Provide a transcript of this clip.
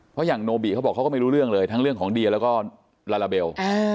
เพราะอย่างโนบิเขาบอกเขาก็ไม่รู้เรื่องเลยทั้งเรื่องของเดียแล้วก็ลาลาเบล